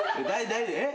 えっ？